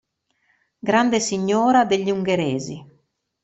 Grande Signora degli Ungheresi.